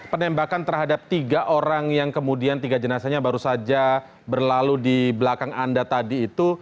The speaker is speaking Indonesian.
penembakan terhadap tiga orang yang kemudian tiga jenazahnya baru saja berlalu di belakang anda tadi itu